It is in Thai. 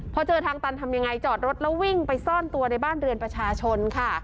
พอเจอทางตันทำยังไงจอดรถแล้ววิ่งไปซ่อนตัวในบ้านเรือนประชาชนค่ะ